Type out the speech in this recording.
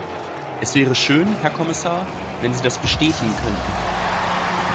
Es wäre schön, Herr Kommissar, wenn Sie das bestätigen könnten.